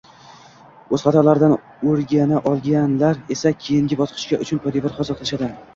o’z xatolaridan o’rgana olganlar esa keyingi bosqich uchun poydevor hosil qilishadi